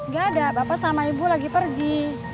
gak ada bapak sama ibu lagi pergi